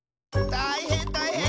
たいへんたいへん！